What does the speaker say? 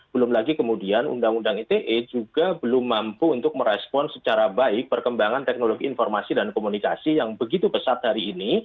belum lagi kemudian undang undang ite juga belum mampu untuk merespon secara baik perkembangan teknologi informasi dan komunikasi yang begitu pesat hari ini